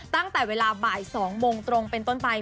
ตั้งแต่เวลาบ่าย๒โมงตรงเป็นต้นไป